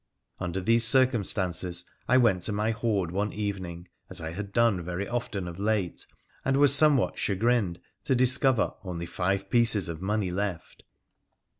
Under these circumstances I went to my hoard one evening, as I had done very often of late, and was somewhat chagrined to discover only five pieces of money left.